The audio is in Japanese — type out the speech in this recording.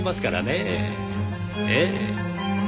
ええ。